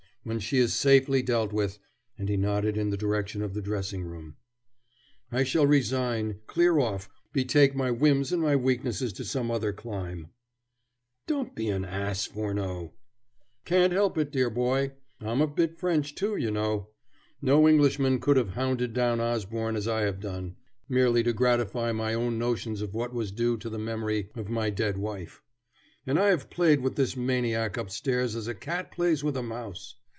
When she is safely dealt with," and he nodded in the direction of the dressing room, "I shall resign, clear off, betake my whims and my weaknesses to some other clime." "Don't be an ass, Furneaux!" "Can't help it, dear boy. I'm a bit French, too, you know. No Englishman could have hounded down Osborne as I have done, merely to gratify my own notions of what was due to the memory of my dead wife. And I have played with this maniac upstairs as a cat plays with a mouse.